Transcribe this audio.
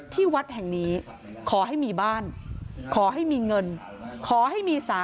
ที่วัดแห่งนี้ขอให้มีบ้านขอให้มีเงินขอให้มีสามี